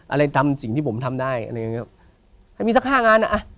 อะไรทำสิ่งที่ผมทำได้อะไรอย่างเงี้ยให้มีสักห้างานอ่ะ